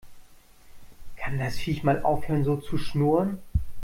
Kann das Viech mal aufhören so zu schnurren?